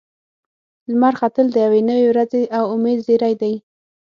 لمر ختل د یوې نوې ورځې او امید زیری دی.